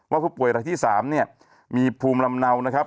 ผู้ป่วยรายที่๓เนี่ยมีภูมิลำเนานะครับ